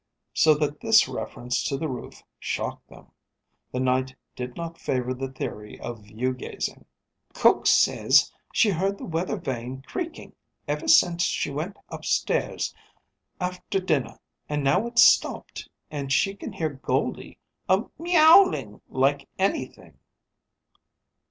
So that this reference to the roof shocked them. The night did not favour the theory of view gazing. "Cook says she heard the weather vane creaking ever since she went upstairs after dinner, and now it's stopped; and she can hear Goldie a myowling like anything."